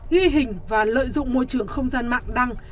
ghi hình và lợi dụng môi trường không gian mạng đăng